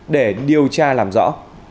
để điều tra làm rõ